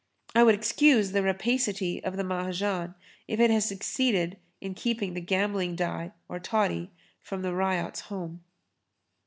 I would excuse the rapacity of the Mahajan if it has succeeded in keeping the gambling die or toddy from the ryot's home.